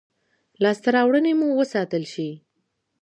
لاسته راوړنې مو وساتل شي.